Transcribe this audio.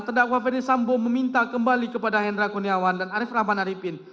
tdakwa ferdisambo meminta kembali kepada endra kuniawan dan arief rahman haripin